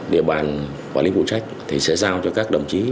địa bàn quản lý vụ trách sẽ giao cho các đồng chí